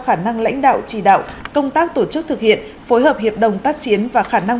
khả năng lãnh đạo chỉ đạo công tác tổ chức thực hiện phối hợp hiệp đồng tác chiến và khả năng